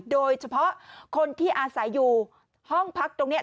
โดยเฉพาะคนที่อาศัยอยู่ห้องพักตรงนี้